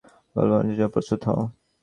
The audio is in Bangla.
গোলাবর্ষণের জন্য প্রস্তুত হও!